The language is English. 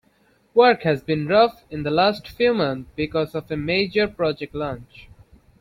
Work has been rough in the last few months because of a major project launch.